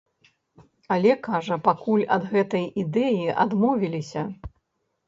Але, кажа, пакуль ад гэтай ідэі адмовіліся.